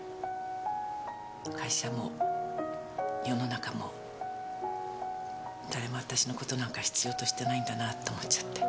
会社も世の中も誰もあたしの事なんか必要としてないんだなぁと思っちゃって。